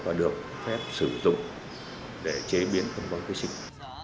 và được phép sử dụng để chế biến công bằng khí sinh